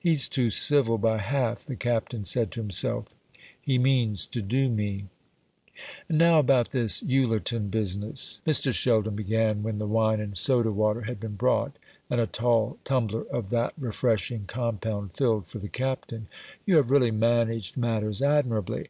"He's too civil by half," the Captain said to himself; "he means to do me." "And now about this Ullerton business," Mr. Sheldon began, when the wine and soda water had been brought, and a tall tumbler of that refreshing compound filled for the Captain; "you have really managed matters admirably.